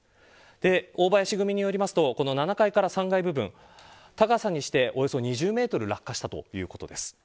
大林組によりますと７階から３階部分高さにしておよそ２０メートル落下したということです。